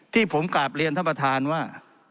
ที่ผมกราบเรียนท่านประธานว่า